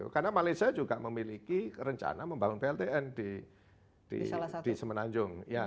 karena malaysia juga memiliki rencana membangun pltn di semenanjung